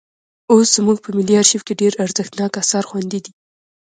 اوس زموږ په ملي ارشیف کې ډېر ارزښتناک اثار خوندي دي.